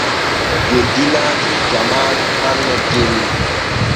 Joddi naati jamaanu hanne jemma.